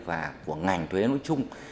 và của ngành thuế nói chung